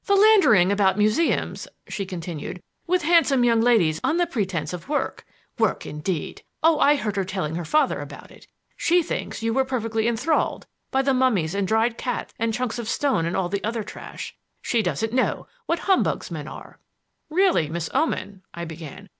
"Philandering about museums," she continued, "with handsome young ladies on the pretense of work. Work, indeed! Oh, I heard her telling her father about it. She thinks you were perfectly enthralled by the mummies and dried cats and chunks of stone and all the other trash. She doesn't know what humbugs men are." "Really, Miss Oman," I began.